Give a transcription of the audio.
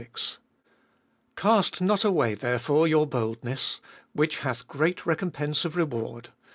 — 35. Cast not away therefore your boldness, which hath great recom pense of reward.